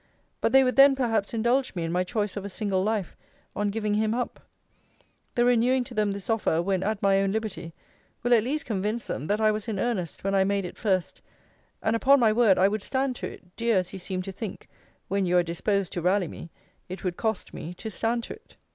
But they would then perhaps indulge me in my choice of a single life, on giving him up: the renewing to them this offer, when at my own liberty, will at least convince them, that I was in earnest when I made it first: and, upon my word, I would stand to it, dear as you seem to think, when you are disposed to rally me, it would cost me, to stand to it.